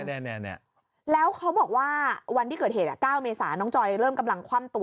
แล้วเขาบอกว่าวันที่เกิดเหตุ๙เมษาน้องจอยเริ่มกำลังคว่ำตัว